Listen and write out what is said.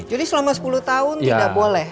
jadi selama sepuluh tahun tidak boleh